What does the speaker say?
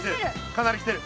かなり来てる！